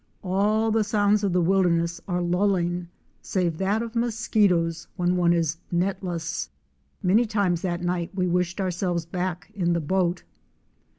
All the sounds of the wilderness are lulling, save that of mosquitoes when one is netless. Many times that night we wished ourselves back in the boat.